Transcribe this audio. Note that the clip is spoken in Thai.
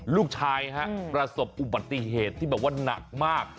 ลูกชายฮะประสบอุบัติเหตุที่แบบว่าหนักมาก